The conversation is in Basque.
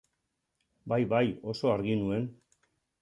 Bai, bai, oso argi nuen.